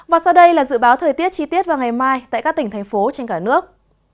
và sau đây là dự báo thời tiết chi tiết vào ngày mai tại các tỉnh thành phố trên cả nước